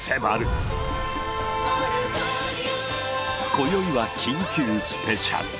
今宵は緊急スペシャル。